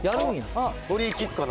フリーキックかな。